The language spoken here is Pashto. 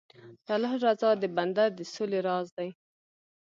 د الله رضا د بنده د سولې راز دی.